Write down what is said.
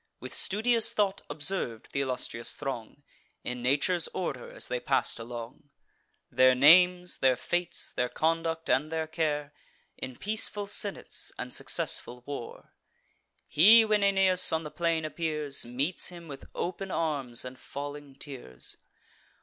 With studious thought observ'd th' illustrious throng, In nature's order as they pass'd along: Their names, their fates, their conduct, and their care, In peaceful senates and successful war. He, when Aeneas on the plain appears, Meets him with open arms, and falling tears.